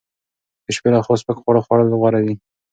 د شپې لخوا سپک خواړه خوړل غوره دي.